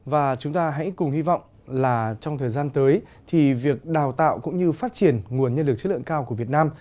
và chúng ta hãy cùng hy vọng là trong thời gian tới thì việc đào tạo cũng như phát triển nguồn nhân lực chất lượng cao của việt nam